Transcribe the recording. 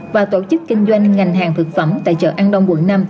và tổ chức kinh doanh ngành hàng thực phẩm tại chợ an đông quận năm